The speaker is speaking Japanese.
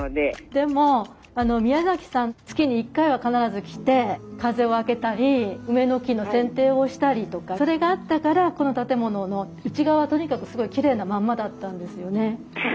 でもあの宮さん月に１回は必ず来て風を開けたり梅の木のせんていをしたりとかそれがあったからこの建物の内側はとにかくすごいきれいなまんまだったんですよね。